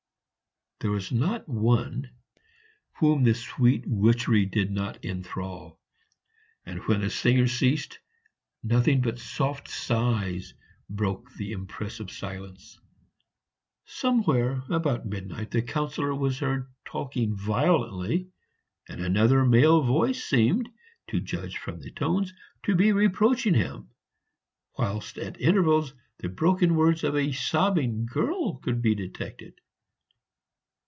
There was not one whom the sweet witchery did not enthral; and when the singer ceased, nothing but soft sighs broke the impressive silence. Somewhere about midnight the Councillor was heard talking violently, and another male voice seemed, to judge from the tones, to be reproaching him, whilst at intervals the broken words of a sobbing girl could be detected.